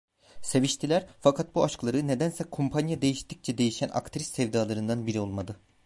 Seviştiler, fakat bu aşkları, nedense kumpanya değiştikçe değişen aktris sevdalarından biri olmadı…